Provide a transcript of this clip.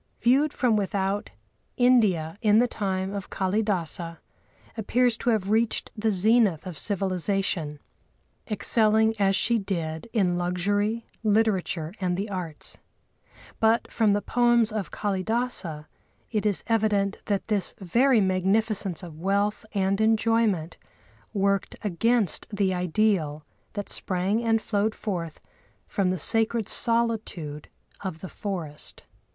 Viewed from without, India, in the time of Kâlidâsa, appeared to have reached the zenith of civilisation, excelling as she did in luxury, literature and the arts. But from the poems of Kâlidâsa it is evident that this very magnificence of wealth and enjoyment worked against the ideal that sprang and flowed forth from the sacred solitude of the forest.